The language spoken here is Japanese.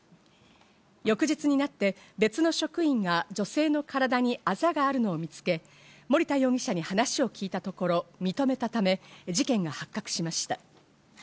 翌日になって別の職員が女性の体にあざがあるの見つけ、森田容疑者に話を聞いたところ認めたため、事件が発覚しました。